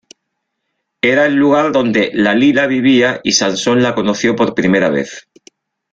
Era el lugar donde Dalila vivía, y Sansón la conoció por primera vez.